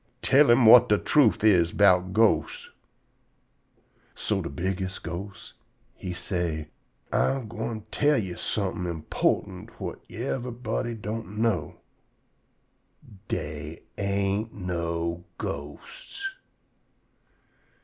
"Tell him whut de truth is 'bout ghosts." So de bigges' ghost he say: "Ah gwine tell yo' somethin' important whut yever'body don't know: Dey ain't no ghosts."